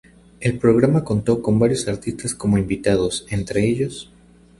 El programa contó con varios artistas como invitados, entre ellos.